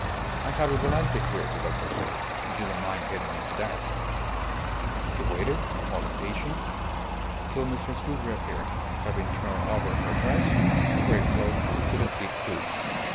"I have a volante here," the doctor said. "If you don't mind getting into that " He waited, all impatience, till Mrs. Gould reappeared, having thrown over her dress a grey cloak with a deep hood.